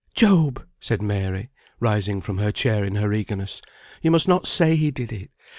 "Job!" said Mary, rising from her chair in her eagerness, "you must not say he did it.